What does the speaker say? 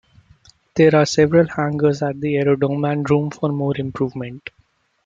There are several hangars at the aerodrome and room for more development.